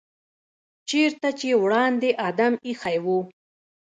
چېرته چې وړاندې آدم ایښی و.